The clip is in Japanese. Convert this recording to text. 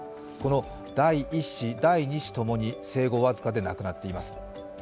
この第１子、第２子ともに生後僅かで亡くなっています。